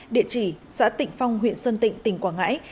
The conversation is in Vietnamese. địa chỉ xã tịnh phong huyện sơn tịnh tỉnh quảng ngãi